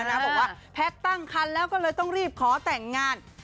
บอกว่าแพทย์ตั้งคันแล้วก็เลยต้องรีบขอแต่งงาน